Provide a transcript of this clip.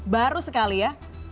baru sekali ya